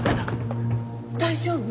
大丈夫？